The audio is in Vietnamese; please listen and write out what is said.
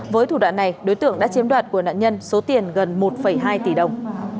với thủ đoạn này đối tượng đã chiếm đoạt của nạn nhân số tiền gần một hai tỷ đồng